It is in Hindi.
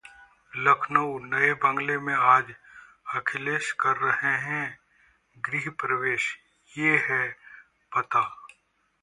लखनऊ: नए बंगले में आज अखिलेश कर रहे हैं गृह प्रवेश, ये है पता